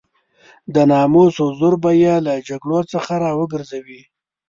د ناموس حضور به يې له جګړو څخه را وګرځوي.